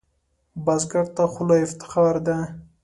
بزګر ته خوله افتخار ده